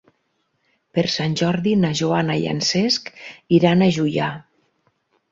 Per Sant Jordi na Joana i en Cesc iran a Juià.